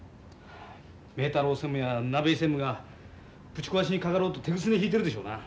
明太郎専務や鍋井専務がぶち壊しにかかろうとてぐすね引いてるでしょうな。